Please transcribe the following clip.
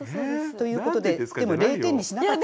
ということででも０点にしなかった。